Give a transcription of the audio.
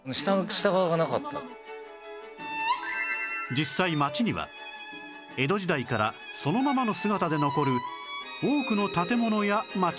実際町には江戸時代からそのままの姿で残る多くの建物や町並みが